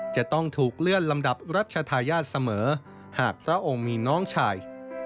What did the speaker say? จะต้องถูกเลื่อนลำดับรัชธาญาติเสมอหากพระองค์มีน้องชาย